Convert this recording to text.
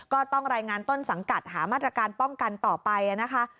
ก็ต้องรายงานต้นสังกัดหามาตรการป้องกันต่อไปนะคะ